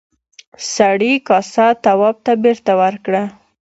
سړي کاسه تواب ته بېرته ورکړه.